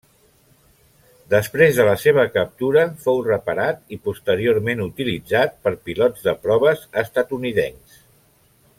Després de la seva captura fou reparat i posteriorment utilitzat per pilots de proves estatunidencs.